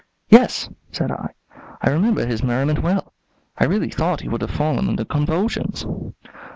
"Yes," said I, "I remember his merriment well. I really thought he would have fallen into convulsions."